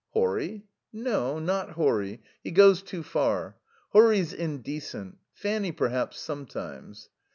"Horry?" "No. Not Horry. He goes too far. Horry's indecent. Fanny, perhaps, sometimes."